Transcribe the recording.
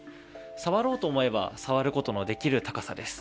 触ろうと思えば触ることのできる高さです。